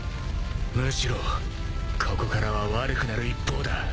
むしろここからは悪くなる一方だ。